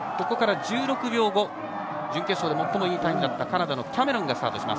ここから１６秒後準決勝で最もいいタイムだったカナダのキャメロンがスタート。